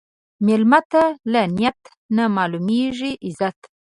مېلمه ته له نیت نه معلومېږي عزت.